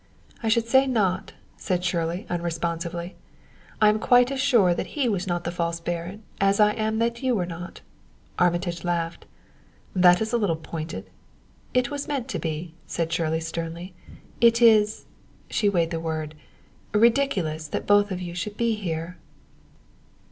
"I should say not," said Shirley unresponsively. "I am quite as sure that he was not the false baron as I am that you were not." Armitage laughed. "That is a little pointed." "It was meant to be," said Shirley sternly. "It is" she weighed the word "ridiculous that both of you should be here."